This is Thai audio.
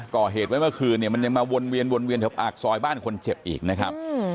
ก่อเหตุไว้เมื่อคืนมันยังมาวนเวียนเถอะอากซอยบ้านคนเจ็บอีกนะครับ